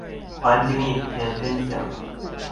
環景影片分享